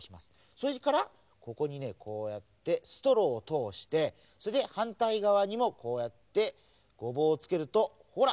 それからここにねこうやってストローをとおしてそれではんたいがわにもこうやってゴボウをつけるとほら！